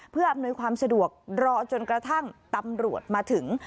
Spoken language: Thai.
เพื่ออำนวยความสะดวกรอจนกระทั่งตำรวจมาถึง